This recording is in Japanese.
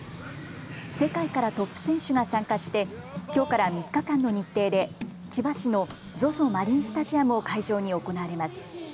世界からトップ選手が参加してきょうから３日間の日程で千葉市のＺＯＺＯマリンスタジアムを会場に行われます。